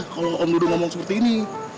kalau om dulu ngomong seperti ini